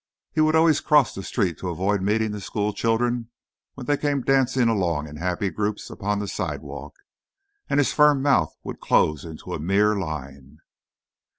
He would always cross the street to avoid meeting the school children when they came dancing along in happy groups upon the sidewalk, and his firm mouth would close into a mere line.